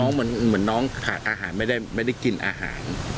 เหมือนน้องขาดอาหารไม่ได้กินอาหาร